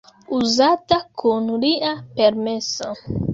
Uzata kun lia permeso.